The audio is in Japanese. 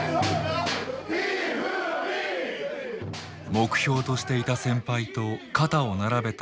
目標としていた先輩と肩を並べた白鵬。